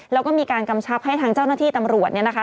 แล้วก็มีการกำชับให้ทางเจ้าหน้าที่ตำรวจเนี่ยนะคะ